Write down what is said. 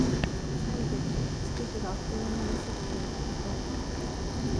歳月、月日があっという間に過ぎてゆくこと。